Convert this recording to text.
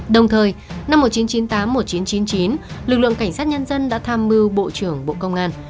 đồng thời năm một nghìn chín trăm chín mươi tám một nghìn chín trăm chín mươi chín lực lượng cảnh sát nhân dân đã tham mưu bộ trưởng bộ công an